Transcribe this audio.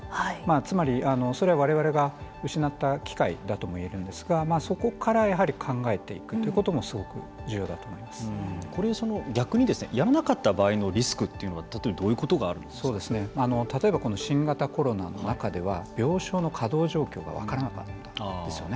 つまり、それはわれわれが失った機会だとも言えるんですがそこからやはり考えていくということも逆にやらなかった場合のリスクというのは例えば例えば新型コロナの中では病床の稼働状況が分からなかったんですよね。